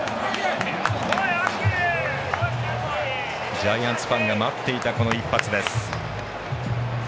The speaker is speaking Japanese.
ジャイアンツファンが待っていたこの一発です。